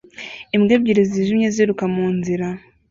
Imbwa ebyiri zijimye ziruka munzira